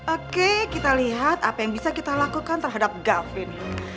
oke kita lihat apa yang bisa kita lakukan terhadap gavin